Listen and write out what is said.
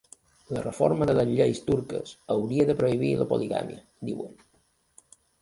La reforma de les lleis turques hauria de prohibir la poligàmia, diuen.